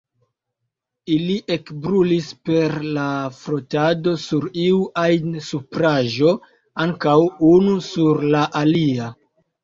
Ili ekbrulis per la frotado sur iu ajn supraĵo, ankaŭ unu sur la alia.